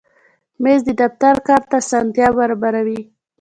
مېز د دفتر کار ته اسانتیا برابروي.